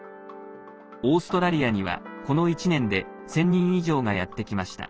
オーストラリアには、この１年で１０００人以上がやってきました。